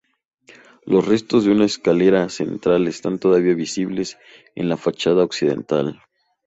Los restos de una escalera central están todavía visibles en la fachada occidental.